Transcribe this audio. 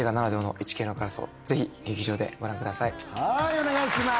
お願いします。